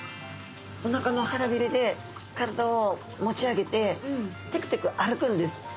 おなかの腹びれで体を持ち上げててくてく歩くんです。